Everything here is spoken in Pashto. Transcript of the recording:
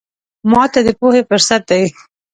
ماته د پوهې فرصت دی.